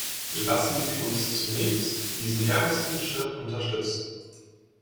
Lassen Sie uns zunächst diesen ersten Schritt unterstützen.